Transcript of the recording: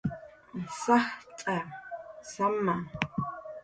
Sajt'a, saama